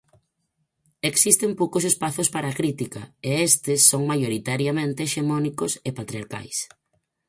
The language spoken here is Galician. Existen poucos espazos para a crítica e estes son maioritariamente hexemónicos e patriarcais.